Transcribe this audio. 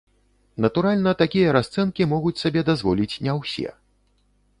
Натуральна, такія расцэнкі могуць сабе дазволіць не ўсе.